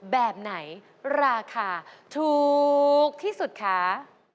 แบบไหนราคาถูกที่สุดคะ